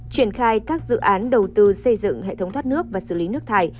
triển khai các dự án đầu tư xây dựng hệ thống thoát nước và xử lý nước thải